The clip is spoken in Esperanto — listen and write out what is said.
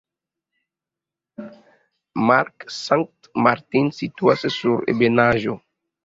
Markt Sankt Martin situas sur malebenaĵo, laŭ rojo, laŭ ĉefvojo Oberpullendorf-Eisenstadt, laŭ fervojo Sopron-Oberpullendorf.